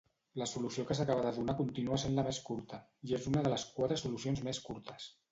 La solució que s'acaba de donar continua sent la més curta i és una de les quatre solucions més curtes.